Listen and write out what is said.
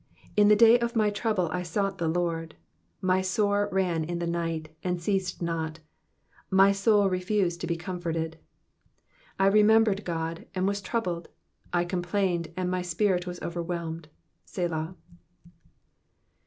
2 In the day of my trouble I sought the Lord : my sore ran in the night, and ceased not : my .soul refused to be comforted. 3 I remembered God, and was troubled : I complained, and my spirit was overwhelmed. Selah.